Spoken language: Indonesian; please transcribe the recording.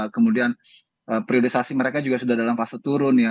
kemudian periodisasi mereka juga sudah dalam fase turun ya